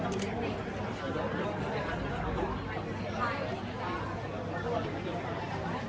ถ้าเกิดตอนนี้ก็ไม่มีความรู้สึกนะครับถ้าเกิดตอนนี้ก็ไม่มีความรู้สึกนะครับ